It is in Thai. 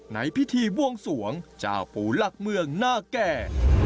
ในพิธีบวงสวงจากภูรักเมืองหน้าแก่